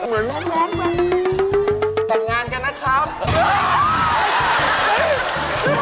เหมือนแสงแสง